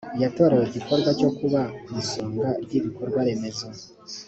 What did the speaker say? yatorewe igikorwa cyo kuba ku isonga ry ibikorwa remezo